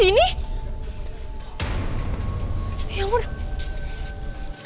aku pun gak per gospel